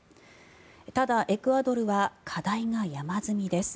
ただ、エクアドルは課題が山積みです。